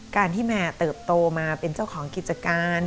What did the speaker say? การที่แม่เติบโตมาเป็นเจ้าของกิจการ